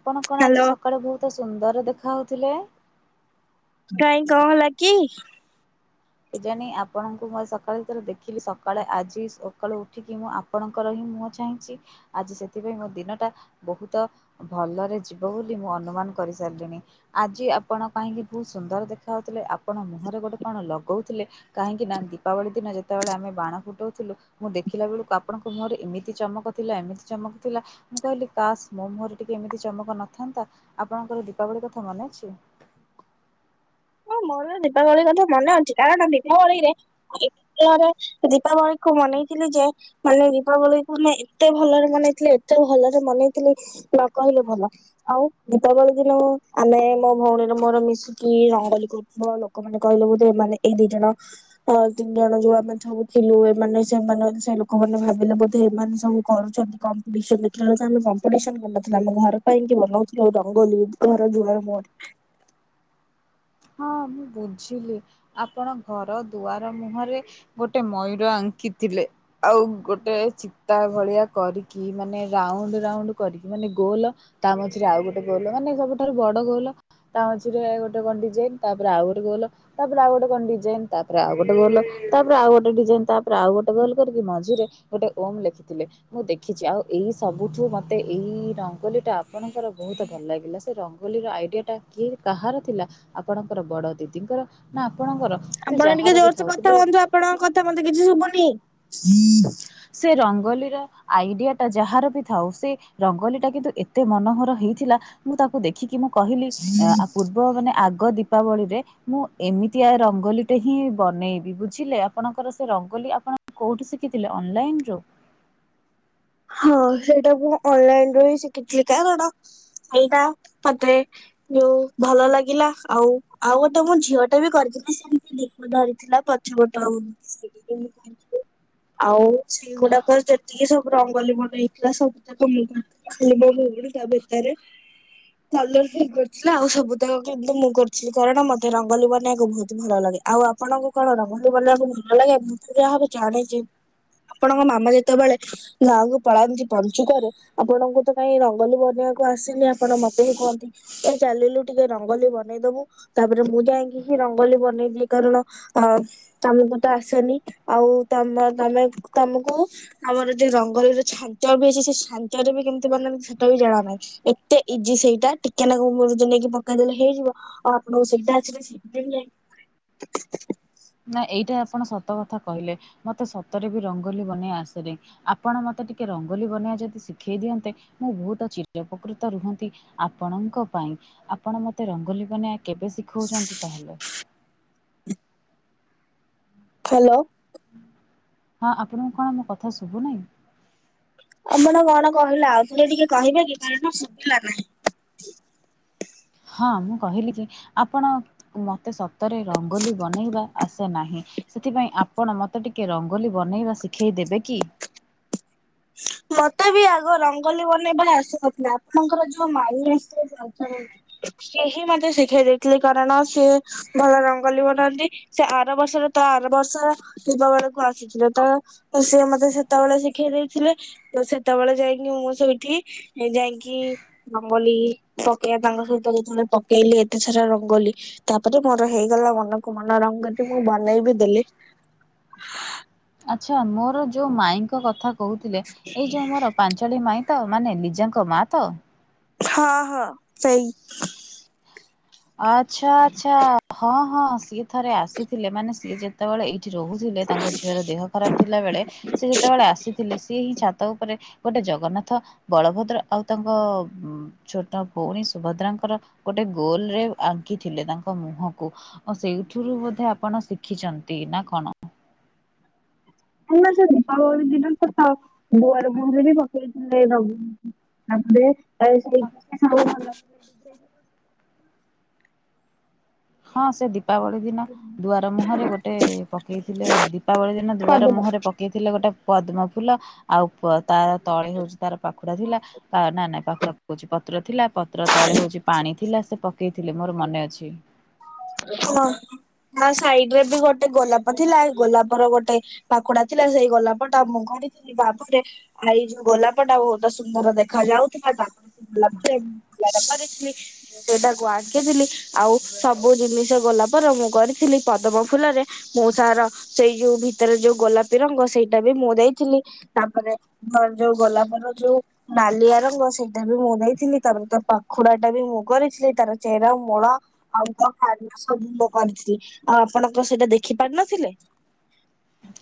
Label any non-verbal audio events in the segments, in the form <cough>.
ଆପଣ କଣ ଆଜି ହ୍ୟାଲୋ ସକାଳେୁ ବହୁତ ସୁନ୍ଦର ଦେଖ ହଉଥିଲେ କହିଁ କଣ ହେଲା କି ଏ ଜାଣ ଆପଣଙ୍କୁ ମୁଁ ସକାଳେୁରେ ଦେଖିଲି ସକାଳେ ଆଜି ସକାଳୁ ଉଠିକି ମୁଁ ଆପଣଙ୍କ ରହି ମୁଁ ଚାହିଁଛି ଆଜି ସେଥିପାଇଁ ମୋ ଦିନଟା ବହୁତ ଭଲରେ ଯିବ ବୋଲି ମୁଁ ଅନୁମାନ କରିାରିଲଣି ଆଜି ଆପଣ କାହିଁକି ବହୁତ ସୁନ୍ଦର ଦେଖାାଯାଉଥିଲେ ଆପଣ ମୁହରେ ଗୋଟେ କଣ ଲଗ ଗଉଥିଲେ କାହିଁକି ନା ଦୀପାବଳି ଦିନ ଯେତେବେଳେ ଆମେ ବାଣ ଫୁଟାଉଥିଲୁ ମୁଁ ଦେଖିଲା ବେଳକୁ ଆପଣଙ୍କ ମୁହଁରେ ଏମିତି ଚମକ ଥିଲା ଏମିତି ଚମକ ଥିଲା ମୁଁ କହିଲି କାସ୍ ମୋ ମୁହଁରେ ଟିକେ ଏମିତି ଚମକ ନଥାନ୍ତା ଆପଣଙ୍କର ଦୀପାବଳି କଥା ମନେ ଅଛି ହଁ ମୋର ଦୀପାବଳି କନ୍ତୁ ମନେ ଅଛି କାରଣ ଦୀପାବଳିରେ ଦୀପାବଳି ମନେଇଥିଲି ଯେ ମାନେ ଦୀପାବଳିକୁ ଆେ ଏତେ ଭଲରେ ମନେଇଥିଲ ଏତେ ଭଲରେ ମନେଇଥିଲି ନ କହିଲେ ଭଲ ଆଉ ଦୀପାବଳି ଦିନ ଆମେ ମୋ ଭଉଣୀରେ ମୋର ମିଶିକି ଥିବ ଲୋକମାନେ କହିଲେ ବୋଧେ ଏମାନେ ଏଇ ଦି ଜଣ ଅ ତିନି ଜଣ ଯୋଉ ଆମେ ସବୁ ଥିଲୁ ଏମାନେ ସେମାନେ ସେ ଲୋକମାନେ ଭାବିଲେ ବୋଧେ ଏମାନେ ସବୁ କରୁଛନ୍ତି କମ୍ ଯେଳେ ଆମ ଥିଲା ଆମ ଘର ପାଇଁ କି ବନାଉଥିଲଥିଲେ ଆଉ ରଙ୍ଗୋଲି ଘର ଦୁଆର ମୁହରେ ହଁ ମୁଁ ବୁଝିଲି ଆପଣ ଘର ଦୁଆର ମୁହଁରେ ଗୋଟେ ମୟୂର ଆ ଶଖିଥିଲେ ଆଉ ଗୋଟେ ଚିତା ଭଳିଆ କରିକି ମାନେ ରାଉଣ୍ଡ ରାଣ୍ଡ କରିକି ମାନେ ଗୋଲ ତା ମଝିରେ ଆଉ ଗୋଟେ ଗୋଲ ମାନେ ସବୁଠାରୁ ବଡ ଗୋଲ ତା ମଝିରେ ଗୋଟେ ଗଣ୍ଡି ତାପ ଆଉ ଗଟେ ଗଲ ତାପରେ ଆଉ ଗୋଟେ କଣ ଡିଜାଇନ ତାପରେ ଆଉ ଗୋଟେ ଗଲ ତାପରେ ଆଉ ଗୋଟେ ଡିଜାଇନ ତାପରେ ଆଉ ଗୋଟେ ଗଲ କରିକି ମଝିରେ ଗୋଟେ ଓମ ଲେଖିଥିଲେ ମୁଁ ଦେଖିଛି ଆଉ ଏଇ ସବୁଠୁ ମତେ ଏଇ ରଙ୍ଗୋଲି ଟା ଆପଣଙ୍କର ବହୁତ ଭଲ ଲାଗିଲା ସେ ରଙ୍ଗୋୋଲିୀର ଆଇଡିଆ ଟା କିଏ କାହାର ଥିଲା ଆପଣଙ୍କର ବଡ ଦିଦିଙ୍କର ନା ଆପଣଙ୍କର ସେ ଆପଣ ଟିକେ ଯାହାର ବି ଜୋରସୋ ଥାଉ କଥା କିନ୍ତୁ କୁନ୍ତୁ ଆପଣଙ୍କ କଥା ମନ୍ତୁ କିଛି ଶୁଭନି ହ ସେ ରଙ୍ଗୋଲିୀର ଆଇଡିଆ ଟା ଯାହାର ବି ଥାଉ ସେ ରଙ୍ଗୋଲିଲି ଟା କିନ୍ତୁ ଏତେ ମନୋହର ହେଇ ଥିଲା ମୁଁ ତାକୁ ଦେଖିକି ମୁଁ କହିଲି ପୂର୍ବ ମାନେ ଆଗ ଦୀପାବଳିରେ ମୁଁ ଏମିତି ଆ ରଙ୍ଗୋଲିଟେ ହିଁ ବନେଇବି ବୁଝିଲେ ଆପଣଙ୍କର ସେ ରଗୋଲି ଆପଣ କୋଉଠୁ ଶିଖିଥିଲେ ଅନଲାଇନ ରୁ ହଁ ସେଇଟା ମୁଁ ଅନଲାଇନ ରୁ ହିଁ ଶିଖିଥିଲି କଟା ଏଇଟା ମତେ ଯୋଉ ଭଲ ଲାଗିଲା ଆଉ ଆଉ ଗୋଟେ ମୁୋ ଝିଅ ଟା ବି କରି ସେମିତି ଧୀପ ଧରିଥିଲା ପଛ ପଟଉ ସେଠିଥିଲ ଆଉ ସେଗୁଡାକ ଯେତିକି ସବୁ ଜଙ୍ଗଲ ବନ ହେଇଥିଲା ସବୁ ତା କ ମୁ ହଉ ତା ଭିତରେ କଲର କରିଥିଲା ଆଉ ସବୁ ତାକ କିନ୍ତୁ ମୁଁ କରିଥିଲି କଣ ମତେ ରଙ୍ଗଲ ବନେଇବାକୁ ବହୁତ ଭଲ ଲାଗେ ଆଉ ଆପଣଙ୍କୁ କଣ ର ମ ବକୁ ଭଲ ଲାଗେ ମୁଁ ତ ଯାହା ହବ ଜାଣିେଛି ଆପଣଙ୍କ ମାମା ଯେତେବେଳେ ନାଁକୁ ପଳାନ୍ତିନ୍ତି ପଞ୍ଚୁକରେ ଆପଣଙ୍କୁ ତ କାଇହିଁ ରଙ୍ଗଲ ବନେଇବାକୁ ଆସିନି ଆପଣ ମତେ ବି କୁହନ୍ତି ଏ ଚାଲିଲୁ ଟିକେ ରଙ୍ଗୋଲି ବନେଇଦବୁ ତାପରେ ମୁଁ ଯାଇକି ହି ରଙ୍ଗୋଲିଲି ବନେଇଦିଏ କାରଣ ହଁ ତମକୁ ତ ଆସେନି ଆଉ ତମ ତମେ ତମକୁ ତମର ରଙ୍ଗଲର ଛାଞ୍ଚ ବି ଅଛି ସେ ଛାଞ୍ଚରେ ବି କେମିତି ବାନନ୍ତି ସେଟ ବି ଜା ନାହିଁ ଏତେ ଇଜି ସେଇଟା ଟିକ ନା ମଦ ନେଇକି ପକେଇଦେଲେ ହେଇଯିବ ଆଉ ଆପଣଙ୍କୁ ସେଇଟା ଆସିଲ ସେ ନା ଏଇଟା ଆପଣ ସତ କଥା କହିଲେ ମତେ ସତରେ ବି ରଙ୍ଗୋଲି ବନେଇ ଆସେନେ ଆପଣ ମତେ ଟିକେ ରଙ୍ଗୋଲି ବନେଇ ଯଦି ଶିଖେଇ ଦିଅନ୍ତେ ମୁଁ ବହୁତ ଚକୃତ ରୁହ ଆପଣଙ୍କ ପାଇଁ ଆପଣ ମତେ ରଙ୍ଗୋଲି ବନ କେବେ ଶିଖଉଛନ୍ତି ତାହେଲେ ହ୍ୟାଲୋ ହଁ ଆପଣଙ୍କୁ କଣ ମୋ କଥା ଶୁଭୁ ନାହିଁ। ଆମଣ କଣ କହିଲେ ଆଉ ଥରେ ଟିକେ କହିବେ କି କାରଣ ଶୁଭିଲା ନାହିଁ। ହଁ ମୁଁ କହିଲି କି ଆପଣ ମତେ ସତରେ ରଙ୍ଗୋଲି ବନେଇବା ଆସେ ନାହିଁ। ସେଥିପାଇଁ ଆପଣ ମତେ ଟିକେ ରଙ୍ଗୋଲି ବନେଇବା ଶିଖେଇ ଦେବେ କି? ମତେ ବି ଆଗ ରଙ୍ଗୋଲୀ ବନେଇବା ଆସୁନଥିଲା ଆପଣଙ୍କର ଯୋଉ ମାଳି ଆସୁ <unintelligible> ସିଏ ହିଁ ମତେ ଶିଖେଇ ଦେଇଥିଲେ କାରଣ ସିଏ ଭଲ ରଙ୍ଗୋଲୀ ବନାନ୍ତି ସେ ଆର ବର୍ଷରେ ତ ବାର ବର୍ଷର ଦିବା ବେଳକୁ ଆସିଥିଲା ତ ସିଏ ମତେ ସେତେବେଳେ ଶିଖେଇ ଦେଇ ଥିଲେ ତ ସେତେବେଳେ ଯାଇକି ମୁଁ ସେଇଠି ଯାଇକି ରଙ୍ଗୋଲୀ ପକେଇ ତାଙ୍କ ସହିତ ଯେତେବେଳେ ପକେଇଲି ଏତେଥର ରଙ୍ଗୋଲୀ ତାପରେ ମୋର ହେଇଗଲା ମନକୁ ମନ ରଙ୍ଗୋଲୀ ମୁଁ ବନେଇବି ଦେଲି। ଆଚ୍ଛା ମୋର ଯୋଉ ମାଇଙ୍କ କଥା କହୁଥିଲେ ଏଇ ଯୋଉ ମୋର ପାଞ୍ଚଟି ମାଇଁ ତ ମାନେ ଲିଜ଼ାଙ୍କ ମା ତ ହଁ ହଁ ସେଇ ଆଛା ଆଚ୍ଛା ହଁ ହଁ ସିଏ ଥରେ ଆସିଥିଲେ ମାନେ ସିଏ ଯେତେବେଳେ ଏ ସେଠି ରହୁଥିଲେ ତାଙ୍କ ଝିଅର ଦେହ ଖରାପ ଥିଲା ବେଳେ ସେ ଯେତେବେଳେ ଆସିଥିଲେ ସି ହିଁ ଛା ତ ଉପରେ ଗୋଟେ ଜଗନ୍ନାଥ ବଳଭଦ୍ର ଆଉ ତାଙ୍କ ଛୋଟ ଭଉଣୀ ସୁଭଦ୍ରାଙ୍କ ର ଗୋଟେ ଗୋଲ ରେ ଆଙ୍କିଥିଲେ ତାଙ୍କ ମୁହଁକୁ ଆଉ ସେଇଠୁରୁ ବଧେ ଆପଣ ଶିଖିଛନ୍ତି ନା କଣ? <inaudible> ହେ ନା ସେ ଦୀପାବଳି ଦିନ କଥା ଦୁଆର ମୁହଁରେ ବି ପକେଇଥିଲେ ସବୁ ଆମେ ସେ <unintelligible> ହଁ ସେ ଦି ଦୀପାବଳି ଦିନ ଦୁଆର ମୁହଁରେ ଗୋଟେ ପକେଇଥିଲେ ଦୀପାବଳି ଦିନ ଦୁଆର ମୁହଁରେ ପକେଇଥିଲେ ଗୋଟେ ପଦ୍ମ ଫୁଲ ଆଉ ତା ତଳେ ହଉଛି ତାର ପାଖୁଡା ଥିଲା ନା ନାଇଁ ପାଖୁଡା କହୁଛି ପତ୍ର ଥିଲା ପତ୍ର ତଳେ ହଉଛି ପାଣି ଥିଲା ସେ ପକେଇଥିଲେ ମୋର ମନେ ଅଛି। ହଁ <unintelligible> ନା ସାଇଡ ରେ ବି ଗୋଟେ ଗୋଲାପ ଥିଲା ଗୋଲାପର ଗୋଟେ ପାଖୁଡା ଥିଲା ସେଇ ଗୋଲାପଟା ମୁଁ କ ଶୁଣି ଥିଲି ବାବୁ ରେ ଆ ଏଇ ଯୋଉ ଗୋଲାପଟା ବହୁତ ସୁନ୍ଦର ଦେଖା ଯାଉଥିଲା ତାପରେ ସେ ଗୋଲାପ ଟା ଲାପ କରିଥିଲି ସେଟାକୁ ଆଙ୍କିଥିଲି ଆଉ ସବୁ ସବୁ ଜିନିଷ ଗଲା ପରେ ମୁଁ କରିଥିଲି ପଦମ ଫୁଲରେ ମୁଁ ତାର ସେଇ ଯୋଉ ଭିତରେ ଯୋଉ ଗୋଲା ଗୋଲାପି ରଙ୍ଗ ସେଇଟା ବି ମୁଁ ଦେଇଥିଲି ତାପରେ ଯୋଉ ଗୋଲାପର ଯୋଉ ନାଲିଆ ରଙ୍ଗ ସେଇଟା ବି ମୁଁ ଦେଇଥିଲି ତାର ତା ପାଖୁଡା ଟା ବି ମୁଁ କରିଥିଲି ତାର ଚେର ମୂଳ ଆଉ ତା ଆ ସବୁ ମୁଁ କରିଥିଲି ଆଉ ଆପଣ କଣ ସେଇଟା ଦେଖି ପାରିନଥିଲେ?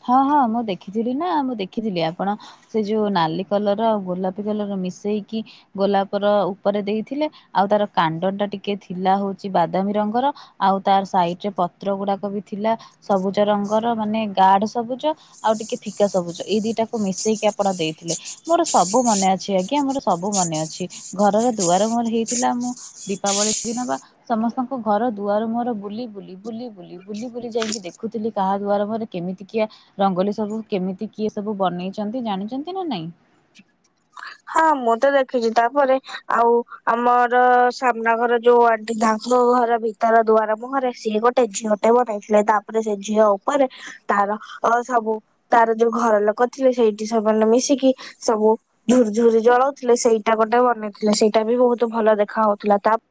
ହଁ ହଁ ମୁଁ ଦେଖିି ଥିଲି ନା ମୁଁ ଦେଖିଥିଲି ଆପଣ ସେ ଯୋଉ ନାଲି କଲର ଆଉ ଗୋଲାପୀ କଲର ମିଶେଇକି ଗୋ ଗୋଲାପ ର ଉପରେ ଦେଇଥିଲେ ଆଉ ତାର କାଣ୍ଡ ଟା ଟିକେ ଥିଲା ହଉଛି ବାଦାମୀ ରଙ୍ଗର ଆଉ ତା ତାର ସାଇଟ ରେ ପତ୍ର ଗୁଡାକ ବି ଥିଲା ସବୁଜ ରଙ୍ଗର ମାନେ ଗାର୍ଡ ସ ସବୁଜ ଆଉ ଟିକେ ଫିକା ସବୁଜ ଏଇ ଦିଟାକୁ ମିଶେଇକି ଆପଣ ଦେଇଥିଲେ ମୋର ସବୁ ମନେ ଅଛି ଆଜ୍ଞା। ଆମର ସବୁ ମନେ ଅଛି ଘରର ଦୁଆର ମୋର ହେଇଥିଲା ମୁଁ ଦୀପାବଳି ଦିନ ବା ସମସ୍ତଙ୍କୁ ଘର ଦୁଆର ମୋର ବୁଲି ବୁଲି ବୁଲି ବୁଲି ବୁଲି ବୁଲି ଯାଇକି ଦେଖୁଥିଲି କାହା ଦୁଆର ମୁହଁ ରେ କେମିତି କି ରଙ୍ଗୋଲି ସବୁ କେମିତି କିଏ ସବୁ ବନେଇଛନ୍ତି ଜାଣିଛନ୍ତି ନା ନାଇଁ ହଁ ମୁଁ ତ ଦେଖିଛି ତାପରେ ଆଉ ଆମର ସାମ୍ନା ଘର ଯୋଉ ଆଣ୍ଟି ତାଙ୍କ ଘରେ ଭିତର ଦୁଆର ମୁହଁରେ ସିଏ ଗୋଟେ ଝିଅଟେ ବନେଇଥିଲେ ତାପରେ ସେ ଝିଅ ଉପରେ ତାର ଅ ଆ ସବୁ ତାର ଯୋଉ ଘର ଲୋକ ଥିଲେ ସେଇଠି ସେମାନେ ମିଶିକି ସବୁ ଝୁର ଝୁରି ଜଳଉଥିଲେ ସେଇଟା ଗୋଟେ ବନେଇଥିଲେ ସେଇଟା ବି ବହୁତ ଭଲ ଦେଖା ହଉଥିଲା ତା ପ